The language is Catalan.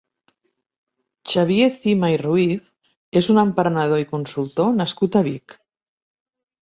Xavier Cima i Ruiz és un emprenedor i consultor nascut a Vic.